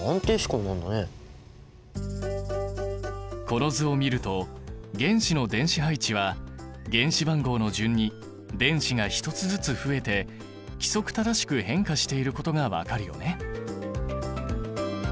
この図を見ると原子の電子配置は原子番号の順に電子が１つずつ増えて規則正しく変化していることが分かるよね。